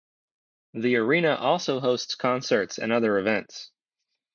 The Arena also hosts concerts and other events.